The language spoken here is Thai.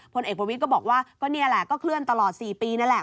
พลเอกประวิทย์ก็บอกว่าก็นี่แหละก็เคลื่อนตลอด๔ปีนั่นแหละ